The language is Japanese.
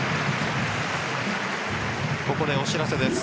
ここでお知らせです。